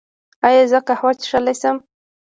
ایا زه قهوه څښلی شم؟